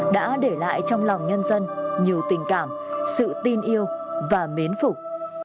đã để lại trong lòng nhân dân nhiều tình cảm sự tin yêu và mến phục